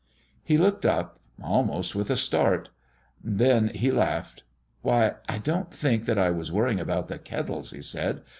He looked up, almost with a start. Then he laughed. "Why, I don't think that I was worrying about the Kettles," he said.